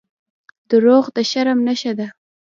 • دروغ د شرم نښه ده.